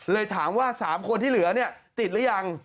เลยถามว่า๓คนที่เหลือเนี่ยติดหรือยัง